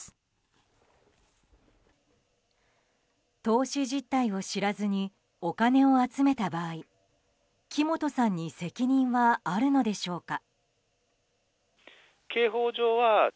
投資実態を知らずにお金を集めた場合木本さんに責任はあるのでしょうか。